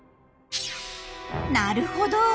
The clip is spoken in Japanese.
なるほど。